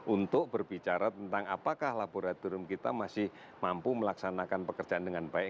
untuk berbicara tentang apakah laboratorium kita masih mampu melaksanakan pekerjaan dengan baik